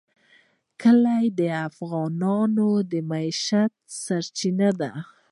کلي د افغانانو د معیشت سرچینه ده.